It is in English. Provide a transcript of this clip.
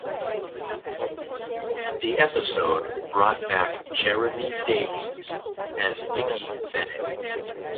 The episode brought back Jeremy Davies as Dickie Bennett.